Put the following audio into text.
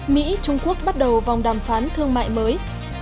mỹ trung quốc bắt đầu vòng đàm phán thương mại mới